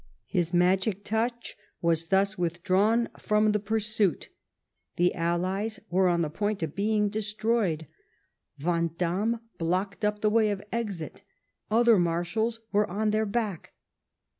His magic touch was thus withdrawn from the pursuit. The Allies were on the point of being destroyed ; Vandamme blocked up the way of exit ; other marshals were on their track.